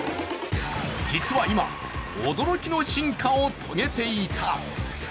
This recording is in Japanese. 実は今、驚きの進化を遂げていた。